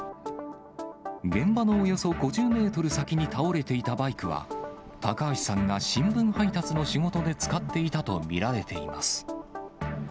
現場のおよそ５０メートル先に倒れていたバイクは、高橋さんが新聞配達の仕事で使っていたと見られています。